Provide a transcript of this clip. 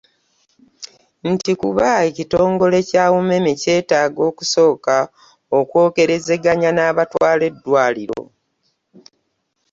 Nti kuba ekitongole kya UMEME kyetaaga okusooka okwogerezeganya n'abatwala eddwaliro